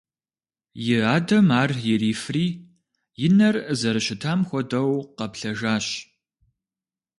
И адэм ар ирифри и нэр зэрыщытам хуэдэу къэплъэжащ.